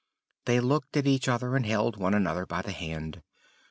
They looked at each other and held one another by the hand.